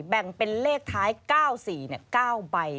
แบ่งเป็นเลขท้าย๙๔๙ใบ